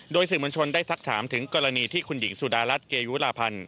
โดยสื่อมวลชนได้สักถามถึงกรณีที่คุณหญิงสุดารัฐเกยุลาพันธ์